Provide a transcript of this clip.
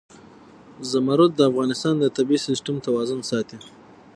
زمرد د افغانستان د طبعي سیسټم توازن ساتي.